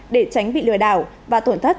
để tránh bị lừa đảo và tổn thất